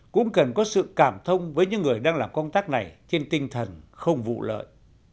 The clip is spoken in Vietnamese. cũng cần có sự cảm thông với những người đang làm công tác này trên tinh thần không vụ lợi